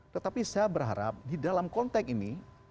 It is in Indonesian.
tetapi saya berharap di dalam konteks ini